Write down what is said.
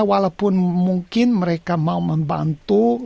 walaupun mungkin mereka mau membantu